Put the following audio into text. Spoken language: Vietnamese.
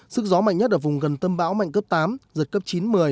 sức gió mạnh nhất ở vùng gần tâm báo mạnh cấp tám giật cấp chín một mươi